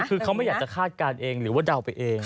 คือเขาไม่อยากจะคาดการณ์เองหรือว่าเดาไปเอง